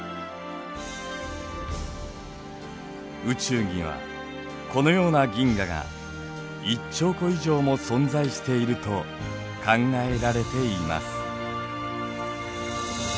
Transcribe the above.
宇宙にはこのような銀河が１兆個以上も存在していると考えられています。